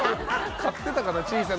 買ってたかな。